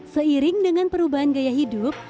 seiring dengan perubahan gaya hidup